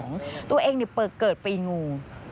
นี่แหละอยู่แถวพระราม๒